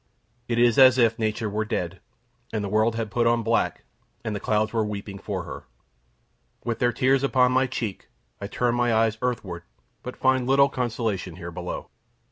It is as if nature were dead, and the world had put on black, and the clouds were weeping for her. With their tears upon my cheek, I turn my eyes earthward, but find little consolation here below.